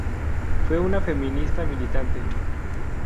Fue una feminista militante.